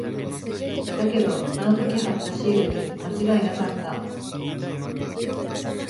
だけど、あの時貼ったシールに間違いなかった。